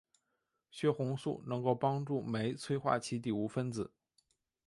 血红素能够帮助酶催化其底物分子。